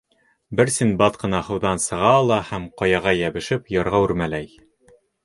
Бер Синдбад ҡына һыуҙан сыға ала һәм, ҡаяға йәбешеп, ярға үрмәләй.